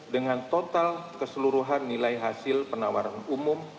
dengan total keseluruhan nilai hasil penawaran umum